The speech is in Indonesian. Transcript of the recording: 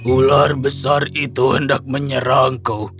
ular besar itu hendak menyerang kau